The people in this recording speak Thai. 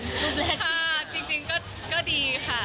รูปแรกนี้ค่ะจริงก็ดีค่ะ